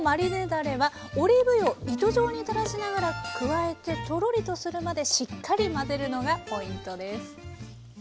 だれはオリーブ油を糸状に垂らしながら加えてトロリとするまでしっかり混ぜるのがポイントです。